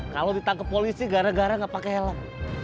kalau ditangkap polisi gara gara nggak pakai helm